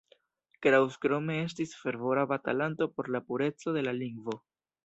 Kraus krome estis fervora batalanto por la pureco de la lingvo.